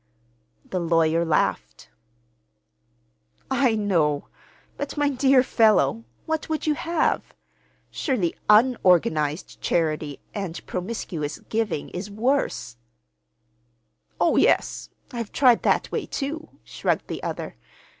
The lawyer laughed. "I know; but, my dear fellow, what would you have? Surely, _un_organized charity and promiscuous giving is worse—" "Oh, yes, I've tried that way, too," shrugged the other.